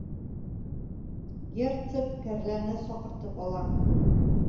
Герцог кәрләне саҡыртып ала.